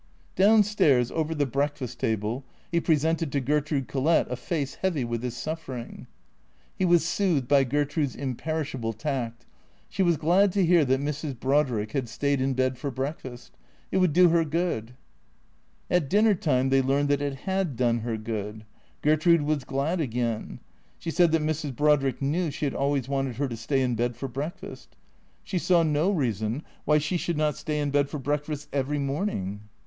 Down stairs, over the breakfast table, he presented to Ger trude Collett a face heavy with his suffering. He was soothed by Gertrude's imperishable tact. She was glad to hear that Mrs. Brodrick had stayed in bed for breakfast. It would do her good. At dinner time they learned that it had done her good. Ger trude was glad again. She said that Mrs. Brodrick knew she had always wanted her to stay in bed for breakfast. She saw no reason why she should not stay in bed for breakfast every morning.